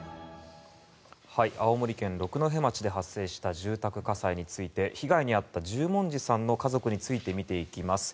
青森県六戸町で発生した住宅火災について被害に遭った十文字さんの家族について見ていきます。